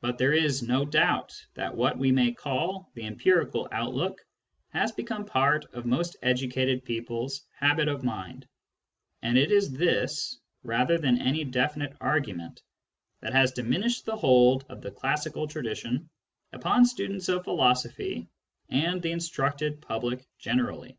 But there is no doubt that what we may call the empirical outlook has become part of most educated people's habit of mind ; and it is this, rather than any definite argument, that has diminished the hold of the classical tradition upon students of philosophy and the instructed public generally.